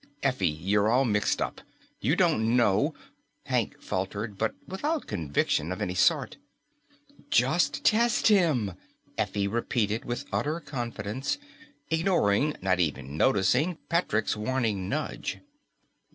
"Effie, you're all mixed up. You don't know " Hank faltered, but without conviction of any sort. "Just test him," Effie repeated with utter confidence, ignoring not even noticing Patrick's warning nudge.